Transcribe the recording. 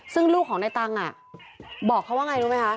ซึ่งลูกของในตังค์บอกเขาว่าไงรู้ไหมคะ